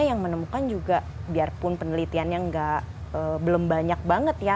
yang menemukan juga biarpun penelitiannya belum banyak banget ya